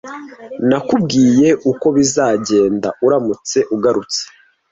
Nakubwiye uko bizagenda uramutse ugarutse.